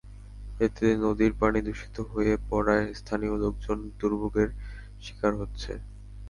এতে নদীর পানি দূষিত হয়ে পড়ায় স্থানীয় লোকজন দুর্ভোগের শিকার হচ্ছে।